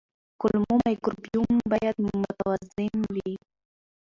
کولمو مایکروبیوم باید متوازن وي.